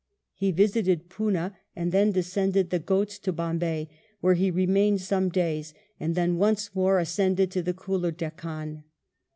He visited Poona and then descended the Ghauts to Bombay, where he remained some days, and then once more ascended to the cooler Deccan.